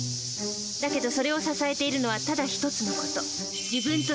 だけどそれを支えているのはただ一つの事。